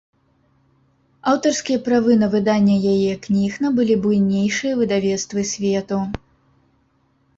Аўтарскія правы на выданне яе кніг набылі буйнейшыя выдавецтвы свету.